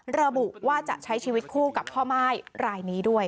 ระบุว่าจะใช้ชีวิตคู่กับพ่อม่ายรายนี้ด้วย